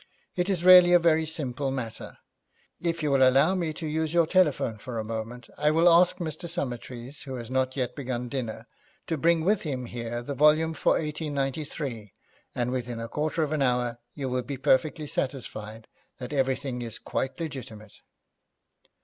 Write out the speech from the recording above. It is really a very simple matter. If you will allow me to use your telephone for a moment, I will ask Mr Summertrees, who has not yet begun dinner, to bring with him here the volume for 1893, and, within a quarter of an hour, you will be perfectly satisfied that everything is quite legitimate.'